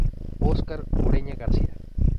Óscar Ureña García.